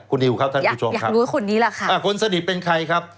คุณนิวครับท่านผู้ชมครับคนสนิทเป็นใครครับอยากรู้คนนี้แหละค่ะ